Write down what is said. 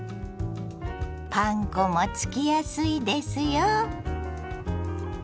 パン粉もつきやすいですよ。